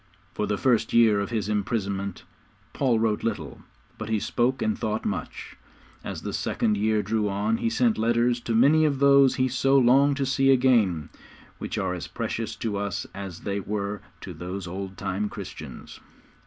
For the first year of his imprisonment Paul wrote little, but he spoke and thought much; as the second year drew on he sent letters to many of those he so longed to see again which are as precious to us as they were to those old time Christians.